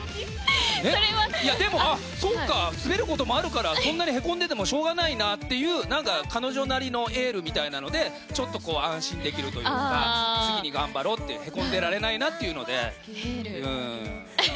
でも、そっかスベることもあるからそんなにへこんでてもしょうがないなって彼女なりのエールみたいなのでちょっと安心できるというか次に頑張ろうってへこんでられないなっていうので。